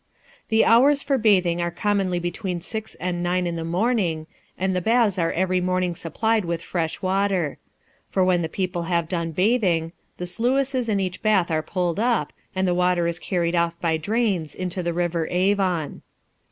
The hours for bathing are commonly between six and nine in the morn ing, and the baths are every morning supplied with fresh water ; for when the people have done bathing, the sluices in each bath are pulled up, and the water is carried off by drains into the river Avon.